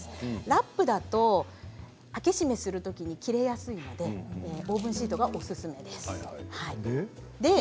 ラップだと開け閉めするときに切れやすいのでオーブンシートがおすすめです。